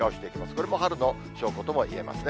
これも春の証拠ともいえますね。